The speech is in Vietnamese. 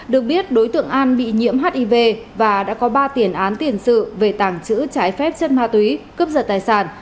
được biết đối tượng an bị nhiễm hiv và đã có ba tiền án tiền sự về tảng chữ trái phép chất ma túy cướp giật tài sản